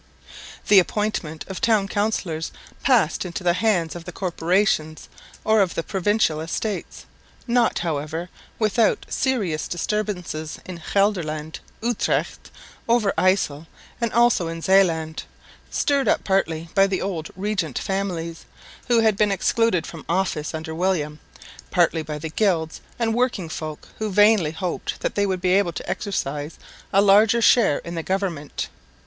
The appointment of town councillors passed into the hands of the corporations or of the Provincial Estates, not, however, without serious disturbances in Gelderland, Utrecht, Overyssel and also in Zeeland, stirred up partly by the old regent families, who had been excluded from office under William, partly by the gilds and working folk, who vainly hoped that they would be able to exercise a larger share in the government.